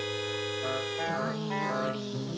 どんより。